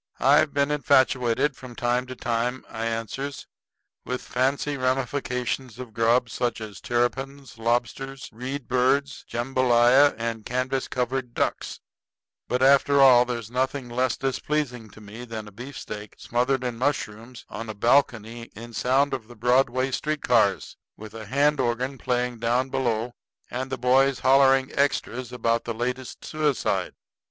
"I've been infatuated from time to time," I answers, "with fancy ramifications of grub such as terrapins, lobsters, reed birds, jambolaya, and canvas covered ducks; but after all there's nothing less displeasing to me than a beefsteak smothered in mushrooms on a balcony in sound of the Broadway streetcars, with a hand organ playing down below, and the boys hollering extras about the latest suicide.